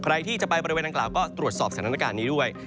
ใครที่จะไปบริเวณอังกล่าวก็ตรวจสอบสถานการณ์นี้ด้วย